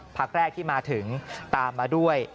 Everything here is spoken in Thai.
พักแรกที่มาถึงตามมาด้วย